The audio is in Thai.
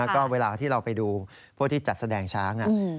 ก็เวลาที่เราไปดูพวกที่จัดแสดงช้าง